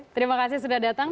terima kasih sudah datang